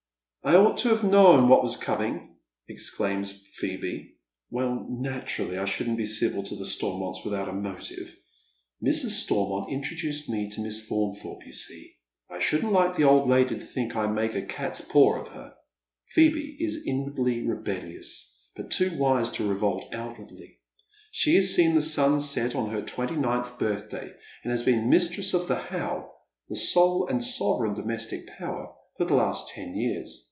" I ought to have known what was coming," exclaims Phoebe. "Well, naturally, I shouldn't be civil to the Stormonts without a motive. Mrs. Stormont introduced me to Miss Faunthorpe, yuii see, and I shouldn't like the old lady to think I'd make a cat's paw of her." Phoebe is inwardly rebellious, but too wise to revolt outwardly. She has seen the sun set on her twenty ninth birthday, and has been mistress of the How, the sole and sovereign domestic power, for the last ten years.